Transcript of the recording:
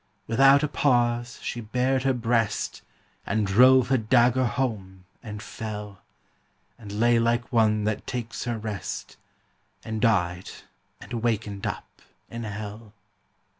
Without a pause she bared her breast, And drove her dagger home and fell, And lay like one that takes her rest, And died and wakened up in hell.